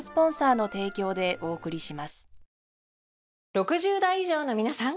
６０代以上のみなさん！